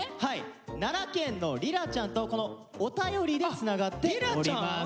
奈良県のりらちゃんとこのお便りでつながっております。